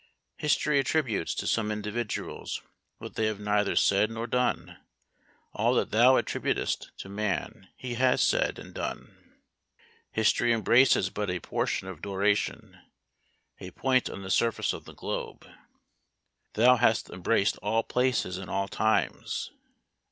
History attributes to some individuals what they have neither said nor done; all that thou attributest to man he has said and done. History embraces but a portion of duration, a point on the surface of the globe; thou hast embraced all places and all times.